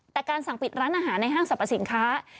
แต่การสั่งปิดร้านอาหารในห้างสรรพสินค้า